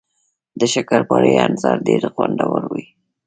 د شکرپارې انځر ډیر خوندور وي